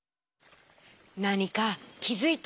なにかきづいた？